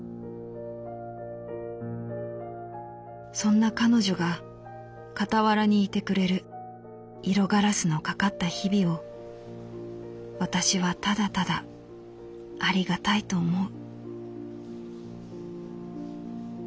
「そんな彼女がかたわらにいてくれる色ガラスのかかった日々を私はただただありがたいと思う」。